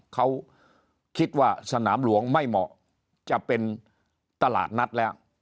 เขาคิดว่าสนามหลวงไม่เหมาะจะเป็นตลาดนัดแล้ว